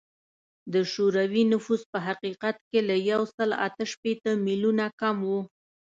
د شوروي نفوس په حقیقت کې له یو سل اته شپیته میلیونه کم و